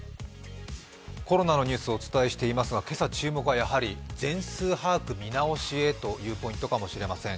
コロナのニュースをお伝えしていますが、今朝は全数把握見直しへというのがポイントかもしれません。